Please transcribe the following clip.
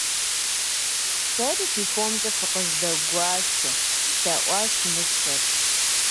- Сэри фи фомкӀэ фыкъыздэгуашэ! – лъэӀуащ мыщэр.